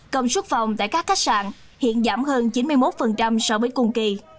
công suất phòng tại các khách sạn hiện giảm hơn chín mươi một so với cùng kỳ